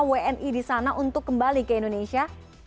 wni di sana untuk kembali ke indonesia